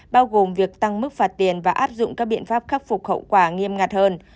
bao gồm việc tăng mức phạt tiền và áp dụng các biện pháp khắc phục khẩu quả nghiêm ngặt hơn